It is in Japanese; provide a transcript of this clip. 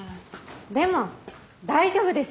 でも大丈夫ですよ。